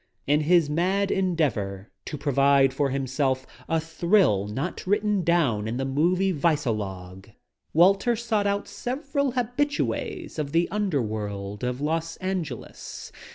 In his mad endeavor to provide for himself a thrill not written down in the Movie Vice alogue, Walter sought out several habitues of the ■'■'■■■::_ j _■*■..